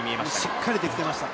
しっかりできていました。